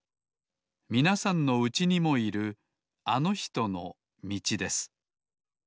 みなさんのうちにもいるあのひとのみちです